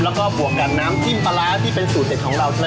และก็บวกกับน้ำทิ้งปลาร้าที่เป็นสูตรเด็ดของเรา